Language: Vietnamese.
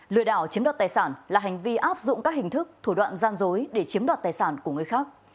lừa đảo chiếm đoạt tài sản là hành vi áp dụng các hình thức thủ đoạn gian dối để chiếm đoạt tài sản của người khác